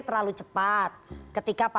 terlalu cepat ketika pandangnya